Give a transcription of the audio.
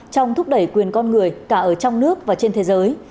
trong thúc đẩy quyền con người cả ở trong nước và trên thế giới